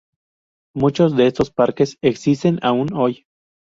Muchos de estos parques existen aún hoy.